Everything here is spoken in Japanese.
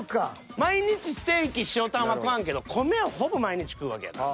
毎日ステーキ塩タンは食わんけど米はほぼ毎日食うわけやから。